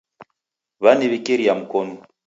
W'aniwikiria mkonu